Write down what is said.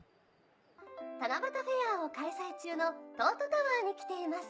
七夕フェアーを開催中の東都タワーに来ています。